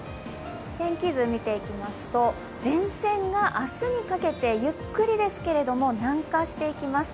天気図を見ていきますと前線が明日にかけてゆっくりですけれども南下していきます。